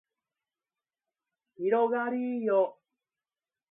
広がりーよ